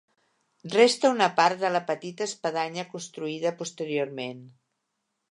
Resta una part de la petita espadanya construïda posteriorment.